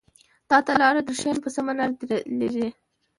تاته لاره درښايې په سمه لاره دې ليږي